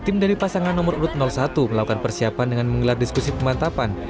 tim dari pasangan nomor urut satu melakukan persiapan dengan menggelar diskusi pemantapan